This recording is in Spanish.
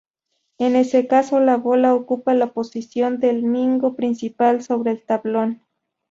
En ese caso la bola ocupa la posición del mingo principal sobre el tablón.